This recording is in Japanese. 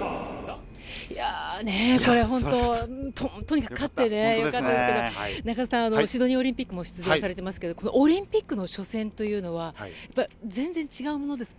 これ本当、とにかく勝って良かったですけど中澤さんシドニーオリンピックも出場されてますけどオリンピックの初戦というのは全然違うものですか。